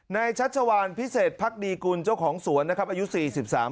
ในชัชวาลพิเศษพรรคดีกุลเจ้าของสวนนะครับอายุ๔๓ปี